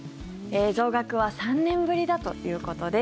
増額は３年ぶりだということです。